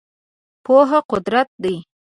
پوهنه قدرت دی.